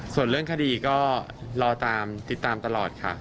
ส่วนเรื่องคดีก็รอติดตามตลอดค่ะ